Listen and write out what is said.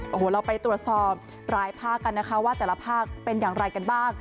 โอ้โหเราไปตรวจสอบหลายภาคกันนะคะ